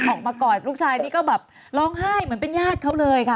ออกมากอดลูกชายนี่ก็แบบร้องไห้เหมือนเป็นญาติเขาเลยค่ะ